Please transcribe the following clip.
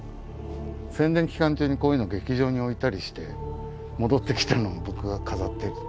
宣伝期間中にこういうのを劇場に置いたりして戻ってきたのを僕が飾ってる。